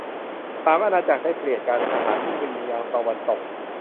สาม อาณาจักรได้เปลี่ยนการทหารมุ่งไปยังตะวันตก